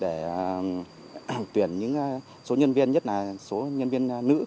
để tuyển những số nhân viên nhất là số nhân viên nữ